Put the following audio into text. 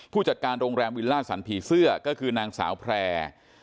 ผู้จัดการโรงแรมวิลล่าสันผีเสื้อก็คือนางสาวแพร่